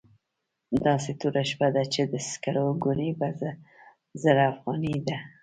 داسې توره شپه ده چې د سکرو ګونۍ په زر افغانۍ ده.